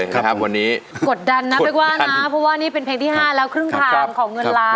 สงสารเผิดน้องอย่าให้ฉันน้องอย่าให้ฉันน้อง